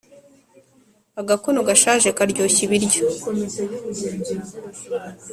Agakono gashaje karyoshya ibiryo